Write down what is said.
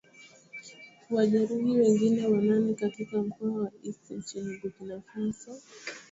kuwajeruhi wengine wanane katika mkoa wa Est nchini Burkina Faso siku ya Jumapili